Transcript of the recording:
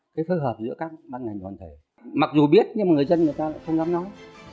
cái phối hợp giữa các ban ngành đoàn thể mặc dù biết nhưng mà người dân người ta lại không dám nói